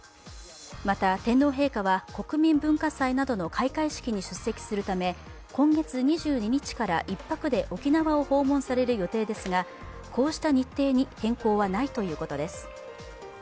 また、天皇陛下は国民文化祭などの開会式に出席するため、今月２２日から１泊で沖縄を訪問される予定ですが、こうした日程に変更はないということです。